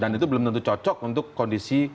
dan itu belum tentu cocok untuk kondisi